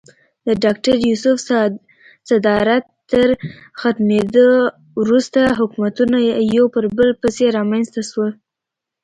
د ډاکټر یوسف صدارت تر ختمېدو وروسته حکومتونه یو پر بل پسې رامنځته شول.